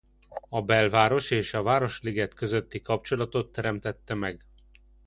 A belváros és a Városliget közötti kapcsolatot teremtette meg.